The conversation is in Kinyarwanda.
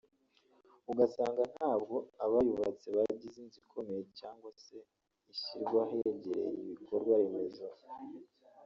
ugasanga ntabwo abayubatse bagize inzu ikomeye cyangwa se ngo ishyirwe aho yegereye ibikorwa remezo